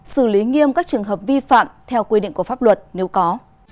xử lý nghiêm các trường hợp vi phạm theo quy định của pháp luật nếu có